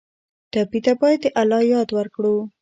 ټپي ته باید د الله یاد ورکړو.